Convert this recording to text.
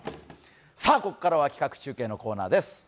ここからは企画中継のコーナーです。